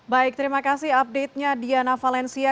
baik terima kasih update nya diana valencia